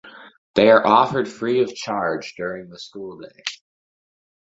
They are offered free of charge during the school day.